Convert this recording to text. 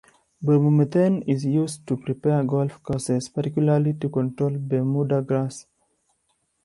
Bromomethane is used to prepare golf courses, particularly to control Bermuda grass.